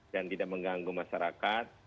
dan tidak mengganggu masyarakat